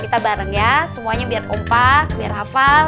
kita bareng ya semuanya biar kompak biar hafal